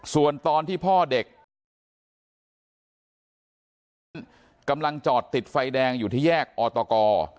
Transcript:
ส่วนตอนที่พ่อเด็กขับรถนั้นกำลังจอดติดไฟแดงอยู่ที่แยกออตก